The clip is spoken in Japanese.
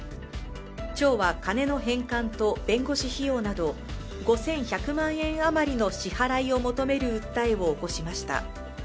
町は金の返還と弁護士費用など５１００万円余りの支払いを求める訴えを起こしました。